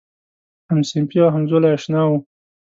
همصنفي او همزولی آشنا و.